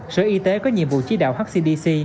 sở y tế có nhiệm vụ chí đạo hcdc